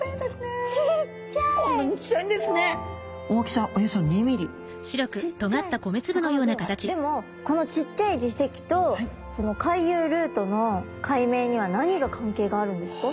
さかなクンでもこのちっちゃい耳石と回遊ルートの解明には何が関係があるんですか？